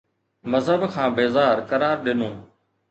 مذهب کان بيزار قرار ڏنو